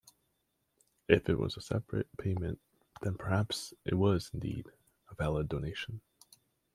If it was a separate payment, then perhaps it was, indeed, a valid donation.